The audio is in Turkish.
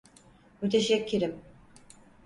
Müteşekkirim.